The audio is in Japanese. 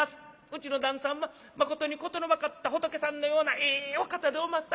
うちの旦さんはまことに事の分かった仏さんのようなええお方でおます